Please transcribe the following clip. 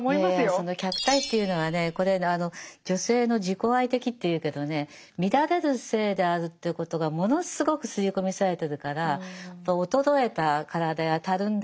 その客体っていうのがねこれ女性の自己愛的っていうけどね見られる性であるということがものすごく刷り込みされてるから衰えた体やたるんだ